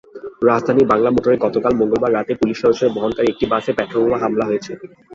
রাজধানীর বাংলামোটরে গতকাল মঙ্গলবার রাতে পুলিশ সদস্যদের বহনকারী একটি বাসে পেট্রলবোমা হামলা হয়েছে।